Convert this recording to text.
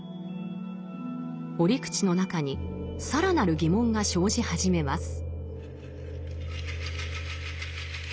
折口の中に更なる疑問が生じ始めます。